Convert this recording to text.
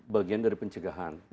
bagian dari pencegahan